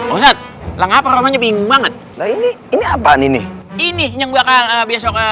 ustadz langsungnya bingung banget ini ini apaan ini ini yang bakal besoknya